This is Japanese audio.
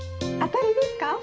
当たりですか？